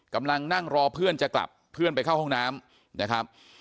กำลังนั่งรอเพื่อนจะกลับเพื่อนไปเข้าห้องน้ำนะครับ